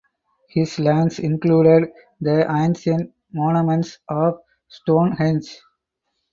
His lands included the ancient monument of Stonehenge.